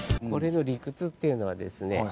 これの理屈っていうのはですね